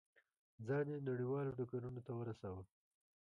ځان یې نړیوالو ډګرونو ته ورساوه.